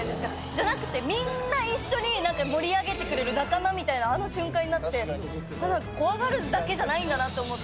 じゃなくて、みんな一緒に、なんか盛り上げてくれる仲間みたいなあの瞬間になって、なんか、怖がるだけじゃないんだなと思って。